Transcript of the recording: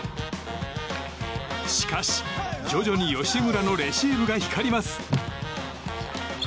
しかし、徐々に吉村のレシーブが光ります。